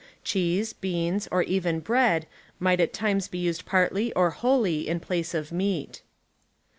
Cheese, beans or even bread might at times be used partl}^ or wholly in place of meat.